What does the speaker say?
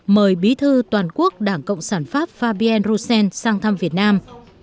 mời bí thư toàn quốc đảng cộng sản pháp fabien roussen sang thăm việt nam